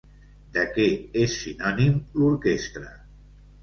De què és sinònim l'orquestra?